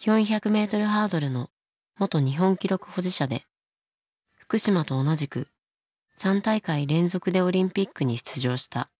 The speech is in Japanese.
４００ｍハードルの元日本記録保持者で福島と同じく３大会連続でオリンピックに出場した。